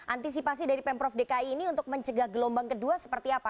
antisipasi dari pemprov dki ini untuk mencegah gelombang kedua seperti apa